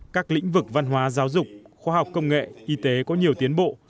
các lĩnh vực văn hóa giáo dục khoa học công nghệ y tế có nhiều tiến bộ